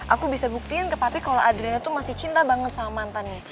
aku bisa buktiin ke papi kalau adriana tuh masih cinta banget sama mantannya